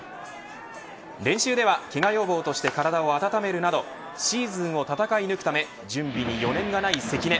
練習では、けが予防として体を温めるなどシーズンを戦い抜くため準備に余念がない関根。